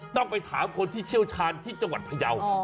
ต้องไปถามคนที่เชี่ยวชาญที่จังหวัดพยาว